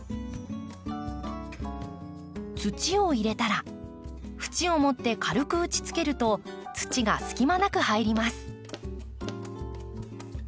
土を入れたら縁を持って軽く打ちつけると土が隙間なく入ります。